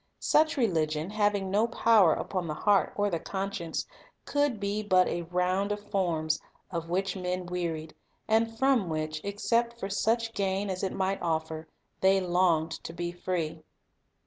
Such religion, having no power upon the heart or the conscience, could be but a round of forms, of which men wearied, and from which, except for such gain as it might offer, they longed to be free.